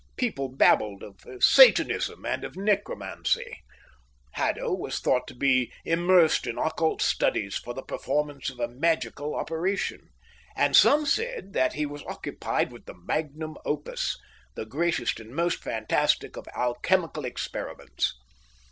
People babbled of satanism and of necromancy. Haddo was thought to be immersed in occult studies for the performance of a magical operation; and some said that he was occupied with the Magnum Opus, the greatest and most fantastic of alchemical experiments.